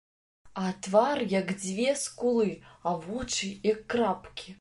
А твар, як дзве скулы, а вочы, як крапкі.